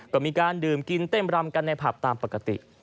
ก็มีการดื่มกินเต้นรำกันในผับตามปกติ